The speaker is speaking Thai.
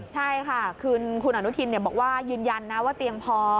ใช่ค่ะคือคุณอนุทินบอกว่ายืนยันนะว่าเตียงพอ